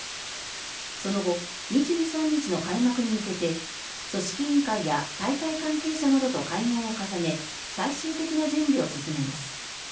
その後、２３日の開幕に向けて組織委員会や大会関係者などと会合を重ね最終的な準備を進めます。